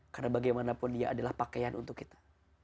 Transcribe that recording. karena bagaimanapun dia adalah pakaian untuk kita